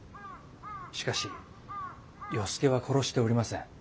しかし与助は殺しておりません。